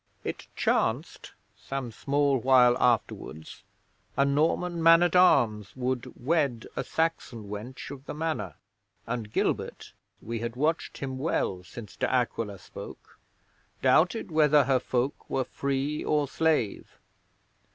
'It chanced, some small while afterwards, a Norman man at arms would wed a Saxon wench of the Manor, and Gilbert (we had watched him well since De Aquila spoke) doubted whether her folk were free or slave.